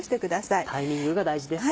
タイミングが大事です。